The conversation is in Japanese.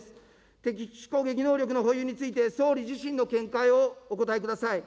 敵基地攻撃能力の保有について、総理自身の見解をお答えください。